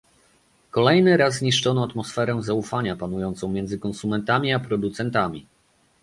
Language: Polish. Kolejny raz zniszczono atmosferę zaufania panującą między konsumentami a producentami